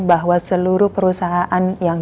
bahwa seluruh perusahaan yang